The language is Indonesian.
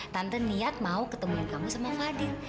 tante niat mau ketemuin kamu sama fadil